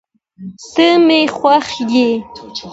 ته مي خوښ یې